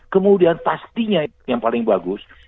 kemudian pastinya itu yang paling bagus